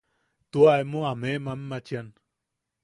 Tua emo a meʼemachian.